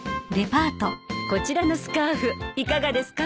こちらのスカーフいかがですか？